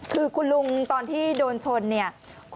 คือคุณลุงตอนที่โดนชนเนี่ย